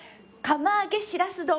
釜あげしらす丼？